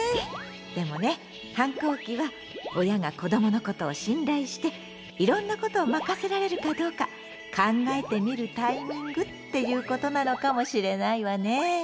でもね反抗期は親が子どものことを信頼していろんなことを任せられるかどうか考えてみるタイミングっていうことなのかもしれないわね！